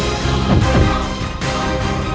saya akan menjaga kebenaran raden